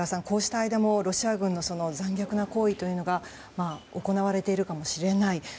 こうしている間もロシア軍の残虐な行為というのが行われているかもしれない。